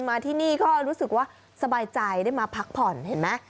มาที่นี่ก็รู้สึกว่าสบายใจได้มาพักผ่อนเห็นไหม